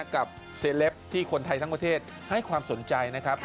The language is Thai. กับเซเลปที่คนไทยทั้งประเทศให้ความสนใจนะครับ